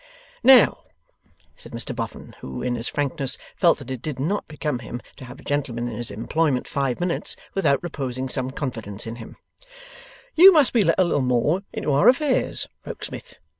'Now,' said Mr Boffin, who, in his frankness, felt that it did not become him to have a gentleman in his employment five minutes, without reposing some confidence in him, 'you must be let a little more into our affairs, Rokesmith.